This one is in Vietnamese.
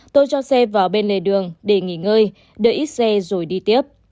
tôi cho xe vào bên lề đường để nghỉ ngơi đợi ít xe rồi đi tiếp